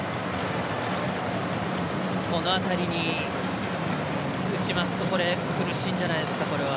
この辺りに打ちますと苦しいんじゃないですか、これは。